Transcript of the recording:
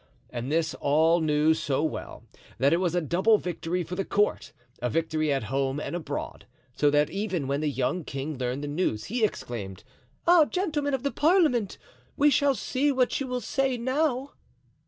And this all knew so well that it was a double victory for the court, a victory at home and abroad; so that even when the young king learned the news he exclaimed, "Ah, gentlemen of the parliament, we shall see what you will say now!"